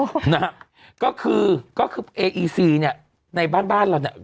นะฮะก็คือก็คือเออีซีเนี้ยในบ้านบ้านเราเนี้ย